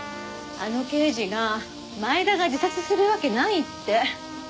あの刑事が前田が自殺するわけないって。